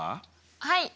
はい！